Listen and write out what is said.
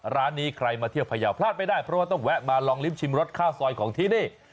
ร้านนี้ใครมาเที่ยวพยาวพลาดไม่ได้เพราะว่าต้องแวะมาลองลิ้มชิมรสข้าวซอยของที่นี่